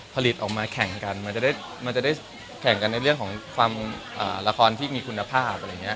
ผลิตออกมาแข่งกันมันจะได้แข่งกันในเรื่องของความละครที่มีคุณภาพอะไรอย่างนี้